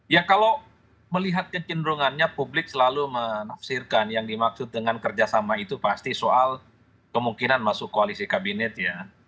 ya kalau melihat kecenderungannya publik selalu menafsirkan yang dimaksud dengan kerjasama itu pasti soal kemungkinan masuk koalisi kabinet ya